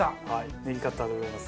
ネギカッターでございます。